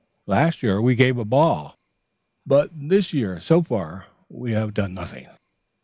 Last year we gave a ball, but this year so far we have done nothing.